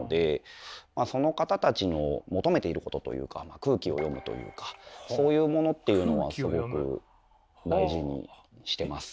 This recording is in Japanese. まあその方たちの求めていることというか空気を読むというかそういうものっていうのはすごく大事にしてます。